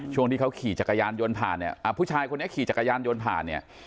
ช่วงที่เขาขี่จักรยานยนต์ผ่านเนี่ยผู้ชายคนนี้ขี่จักรยานยนต์ผ่านเนี่ย